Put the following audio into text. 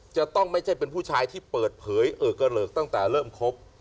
จะต้องไม่ใช่เป็นผู้ชายที่เปิดเผยเออกระเหลิกตั้งแต่เริ่มคบ